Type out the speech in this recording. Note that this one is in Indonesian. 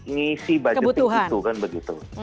ngisi budgeting itu kan begitu